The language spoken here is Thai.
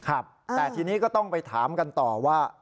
ครับแต่ทีนี้ก็ต้องไปถามกันต่อว่า